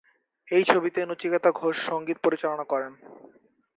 এই ছবিতে নচিকেতা ঘোষ সংগীত পরিচালনা করেন।